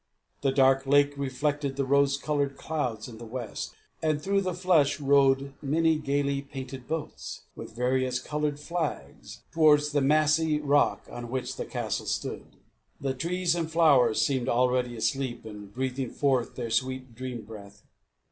The dark lake reflected the rose coloured clouds in the west, and through the flush rowed many gaily painted boats, with various coloured flags, towards the massy rock on which the castle stood. The trees and flowers seemed already asleep, and breathing forth their sweet dream breath.